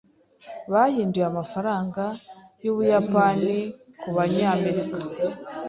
Bahinduye amafaranga yUbuyapani kubanyamerika.